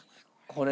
これ。